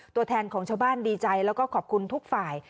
ตัวแทนของชาวบ้านดีใจแล้วก็ขอบคุณทุกฝ่าย